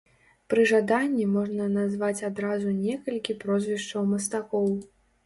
Пры жаданні можна назваць адразу некалькі прозвішчаў мастакоў.